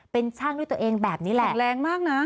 เป็นช่างด้วยตัวเองแบบนี้แหละแรงมากนะ